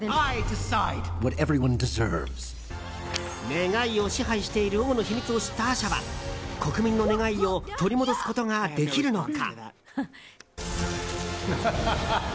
願いを支配している王の秘密を知ったアーシャは国民の願いを取り戻すことができるのか。